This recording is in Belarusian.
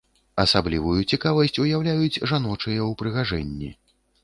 Асаблівую цікавасць уяўляюць жаночыя ўпрыгажэнні.